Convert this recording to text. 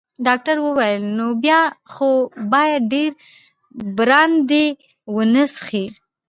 ډاکټر وویل: نو بیا خو باید ډیر برانډي ونه څښې.